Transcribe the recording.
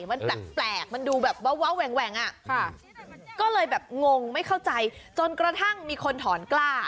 มันแปลกมันดูแบบเว้าแหว่งอ่ะค่ะก็เลยแบบงงไม่เข้าใจจนกระทั่งมีคนถอนกล้า